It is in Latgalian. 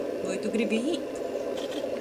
Voi tu gribi īt?